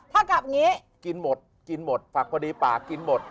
ถ้ากลับอย่างนี้กินหมดกินหมดฝักพอดีปากกินหมด